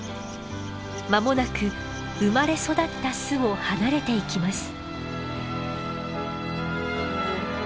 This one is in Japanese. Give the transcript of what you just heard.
間もなく生まれ育った巣を離れていきます。